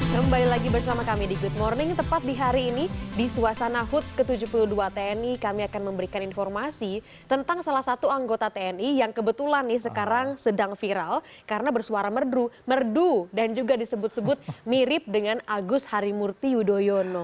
kembali lagi bersama kami di good morning tepat di hari ini di suasana hut ke tujuh puluh dua tni kami akan memberikan informasi tentang salah satu anggota tni yang kebetulan nih sekarang sedang viral karena bersuara merdu merdu dan juga disebut sebut mirip dengan agus harimurti yudhoyono